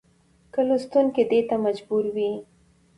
چې لوستونکى دې ته مجبور وي